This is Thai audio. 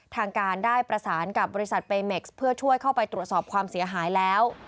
ทางการได้ประสานกับบริษัทเปเม็กซ์เพื่อช่วยเข้าไปตรวจสอบความเสียหายแล้ว